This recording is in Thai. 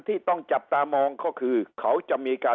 อีกว่า